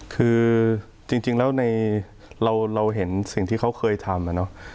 คือจริงแล้วในเราเห็นสิ่งที่เขาเคยทำอะเนาะ